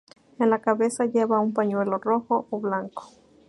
En la cabeza llevan un pañuelo rojo o blanco.